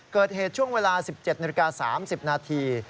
เกิดเหตุช่วงเวลา๑๗นาฬิกา๓๐นาที